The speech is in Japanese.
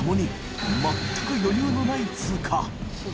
發全く余裕のない通過大島）